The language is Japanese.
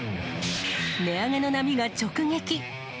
値上げの波が直撃。